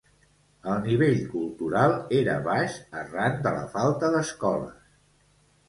El nivell cultural era baix arran de la falta d'escoles.